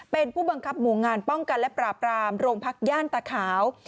เป็นผู้บังคับหมู่งานป้องกันและปราบรามโรงพักย่านตาขาว